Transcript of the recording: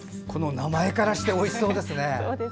名前からしておいしそうですね。